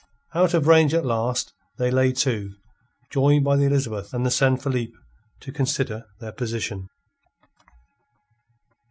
Out of range, at last, they lay to, joined by the Elizabeth and the San Felipe, to consider their position.